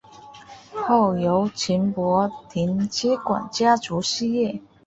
后由陈柏廷接管家族事业。